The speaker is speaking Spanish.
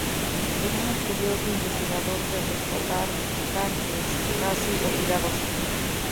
Era un estudioso investigador de rescatar cantes casi olvidados.